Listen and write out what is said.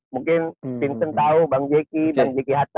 mungkin vincent tau bang zeki bang zeki hatta